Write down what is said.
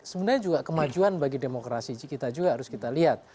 sebenarnya juga kemajuan bagi demokrasi kita juga harus kita lihat